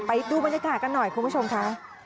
ไปดูบรรยากาศกันหน่อยคุณผู้ชมค่ะ